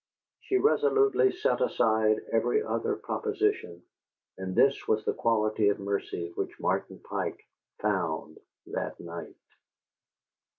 She resolutely set aside every other proposition; and this was the quality of mercy which Martin Pike found that night.